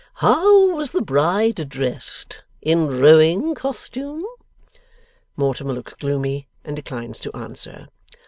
'How was the bride dressed? In rowing costume?' Mortimer looks gloomy, and declines to answer.